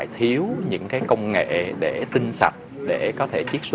thì cũng như